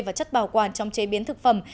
và chất bảo quản trong chế biến thực phẩm